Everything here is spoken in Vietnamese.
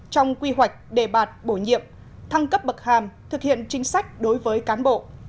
trong quy hoạch đề bạt bổ nhiệm thăng cấp bậc hàm thực hiện chính sách đối với cán bộ